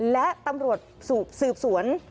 และตำรวจสืบสวน